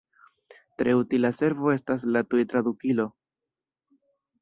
Tre utila servo estas la tuj-tradukilo.